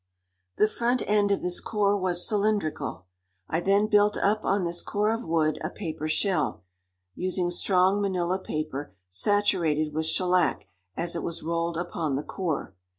The front end of this core was cylindrical. I then built up on this core of wood a paper shell, using strong Manila paper saturated with shellac as it was rolled upon the core.